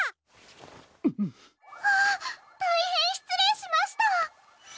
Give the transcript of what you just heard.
たいへんしつれいしました！